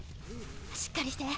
しっかりして。